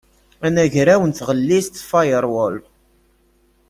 Anagraw n tɣellist firewall.